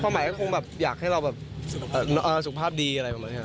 ความหมายก็คงอยากให้เราสุขภาพดีอะไรแบบนี้